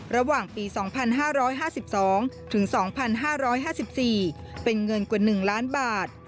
ระหว่างปี๒๕๕๒ถึง๒๕๕๔เป็นเงินกว่า๑ล้านบาท